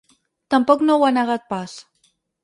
Tampoc no ho ha negat pas.